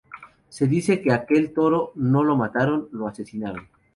Se dice que a aquel toro no lo mataron; lo asesinaron.